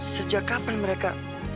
sejak kapan mereka